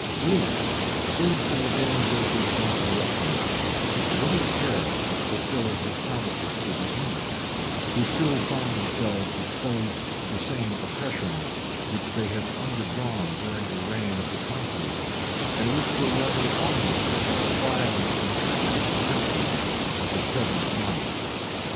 [* Chron. Sax. p. 195. Order. Vitalis, p. 668.] {1089.} William, freed from the danger of these insurrections, took little care of fulfilling his promises to the English, who still found themselves exposed to the same oppressions which they had undergone during the reign of the Conqueror, and which were rather augmented by the violent, impetuous temper of the present monarch.